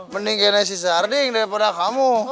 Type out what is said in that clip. mending ke nenek sih sarding daripada kamu